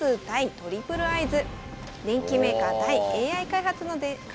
トリプルアイズ。